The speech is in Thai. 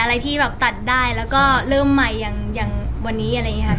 อะไรที่แบบตัดได้แล้วก็เริ่มใหม่อย่างวันนี้อะไรอย่างนี้ค่ะ